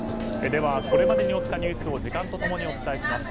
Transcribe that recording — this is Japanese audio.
では、これまでに起きたニュースを時間と共にお伝えします。